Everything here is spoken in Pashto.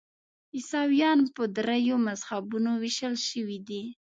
عیسویان په دریو مذهبونو ویشل شوي دي.